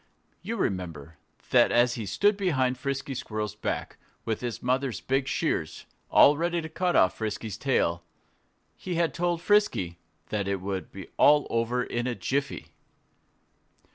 You remember that as he stood behind Frisky Squirrel's back with his mother's big shears, all ready to cut off Frisky's tail, he had told Frisky that "it would all be over in a jiffy"?